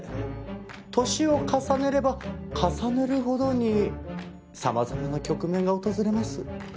年を重ねれば重ねるほどに様々な局面が訪れます。